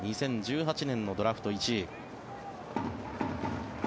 ２０１８年のドラフト１位。